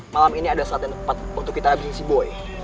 malam ini ada saat yang tepat untuk kita mengisi boy